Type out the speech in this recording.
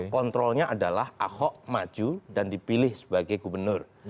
kontrolnya adalah ahok maju dan dipilih sebagai gubernur